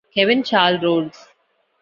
Kevin Carl Rhoades.